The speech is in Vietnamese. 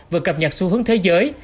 vừa cập nhật xu hướng thế giới